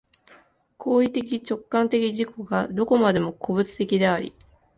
行為的直観的自己がどこまでも個物的であり、